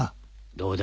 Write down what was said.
どうだ？